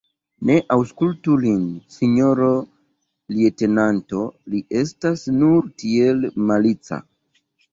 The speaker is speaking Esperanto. Ne aŭskultu lin, sinjoro leŭtenanto, li estas nur tiel malica.